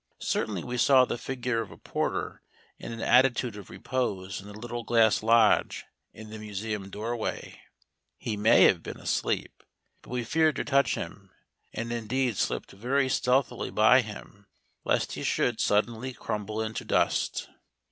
Certainly we saw the figure of a porter in an attitude of repose in the little glass lodge in the museum doorway. He may have been asleep. But we feared to touch him and indeed slipped very stealthily by him lest he should suddenly crumble into dust.